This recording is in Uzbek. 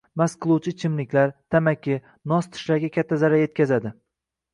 Mast qiluvchi ichimliklar, tamaki, nos tishlarga katta zarar yetkazadi.